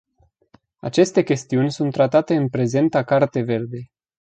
Aceste chestiuni sunt tratate în prezenta carte verde.